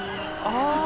ああ。